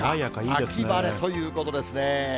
秋晴れということですね。